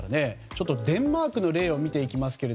デンマークの例を見ていきます。